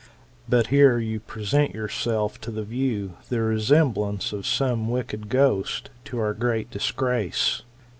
But here you present yourself to the view the resemblance of some wicked ghost, to our great disgrace.